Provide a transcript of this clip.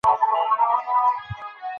اوښکي دي او توره شپه ده